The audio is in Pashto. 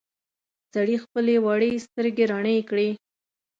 سړي خپلې وړې سترګې رڼې کړې.